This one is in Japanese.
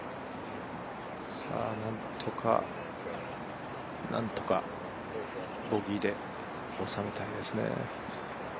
なんとか、なんとかボギーで抑えたいですね。